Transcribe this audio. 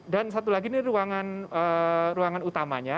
dan satu lagi ini ruangan utamanya